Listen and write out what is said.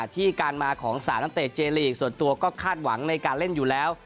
ที่การมาของ๓นักเตะเจลีกส่วนตัวก็คาดหวังในการเล่นอยู่แล้ว